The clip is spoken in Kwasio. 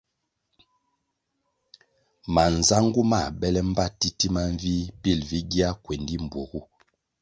Manzangu mãh bele mbpa titima mvih pil vi gia kuendi mbpuogu.